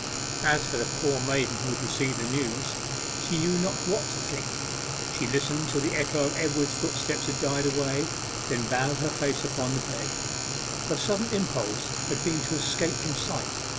As for the poor maiden who had received the news, she knew not what to think. She listened till the echo of Edward's footsteps had died away, then bowed her face upon the bed. Her sudden impulse had been to escape from sight.